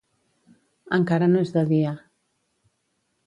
Encara no és de dia.